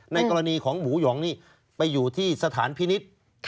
ในกรณีของหมูหยองนี่ไปอยู่ที่สถานพินิษฐ์